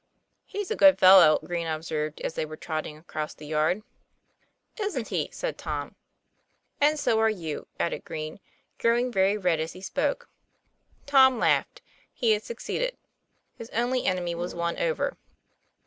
'He's a good fellow," Green observed, as they were trotting across the yard. "Isn't he?" said Tom. ;' And so are you," added Green, growing very red as he spoke. Tom laughed ; he had succeeded. His only enemy was won over.